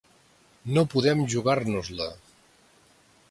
No podem jugar-nos-la.